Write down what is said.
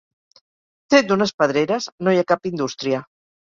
Tret d'unes pedreres, no hi ha cap indústria.